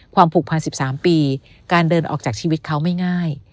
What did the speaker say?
ผูกพัน๑๓ปีการเดินออกจากชีวิตเขาไม่ง่าย